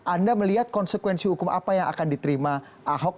anda melihat konsekuensi hukum apa yang akan diterima ahok